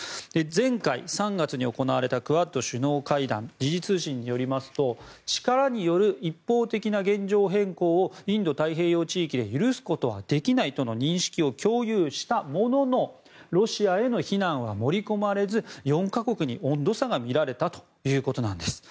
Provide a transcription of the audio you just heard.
前回、３月に行われたクアッド首脳会談時事通信によりますと力による一方的な現状変更をインド太平洋地域で許すことはできないとの認識を共有したもののロシアへの非難は盛り込まれず４か国に温度差が見られたということです。